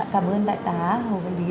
cảm ơn đại tá hầu văn lý